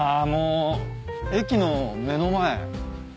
もう駅の目の前。